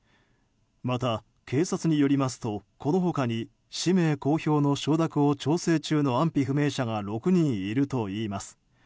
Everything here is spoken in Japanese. また、警察によりますとこの他に氏名公表の承諾を調整中の安否不明者が６人いるといいます。